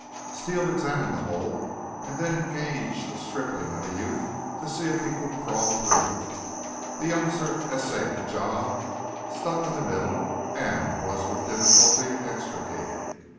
Steele examined the hole, and then engaged a stripling of a youth to see if he could crawl through. The youngster essayed the job, stuck in the middle, and was with difficulty extricated.